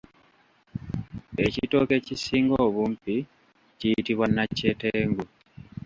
Ekitooke ekisinga obumpi kiyitibwa nakyetengu.